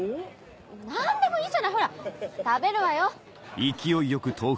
何でもいいじゃないほら食べるわよ。